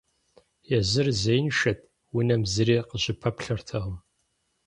Езыр зеиншэт, унэм зыри къыщыпэплъэртэкъым.